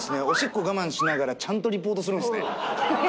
おしっこ我慢しながらちゃんとリポートするんですね。